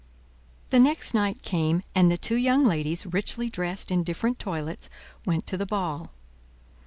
The next night came, and the two young ladies, richly dressed in different toilets, went to the ball.